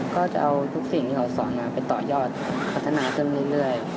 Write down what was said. ก็จะเอาทุกสิ่งที่เราสอนมาไปต่อยอดพัฒนาขึ้นเรื่อย